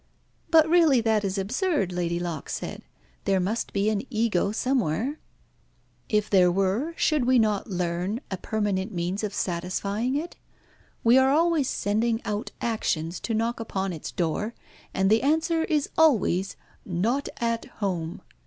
'" "But really that is absurd," Lady Locke said. "There must be an ego somewhere." "If there were, should we not learn a permanent means of satisfying it? We are always sending out actions to knock upon its door, and the answer is always not at home.